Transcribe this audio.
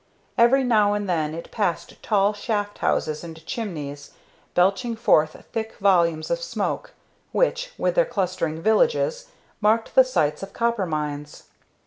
Every now and then it passed tall shaft houses and chimneys, belching forth thick volumes of smoke, which, with their clustering villages, marked the sites of copper mines.